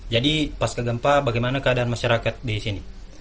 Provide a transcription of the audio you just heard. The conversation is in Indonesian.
jadi pas ke gempa bagaimana keadaan masyarakat di sini